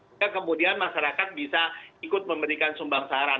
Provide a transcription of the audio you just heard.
sehingga kemudian masyarakat bisa ikut memberikan sumbang saran